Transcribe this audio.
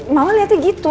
mama liatnya gitu